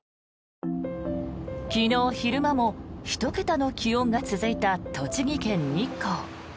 昨日昼間も１桁の気温が続いた栃木県日光。